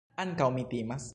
Ankaŭ mi timas.